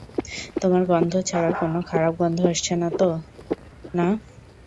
তোমার গন্ধ ছাড়া কোনো খারাপ গন্ধ আসছে না, তো না।